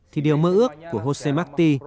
thì điều mơ ước của jose marti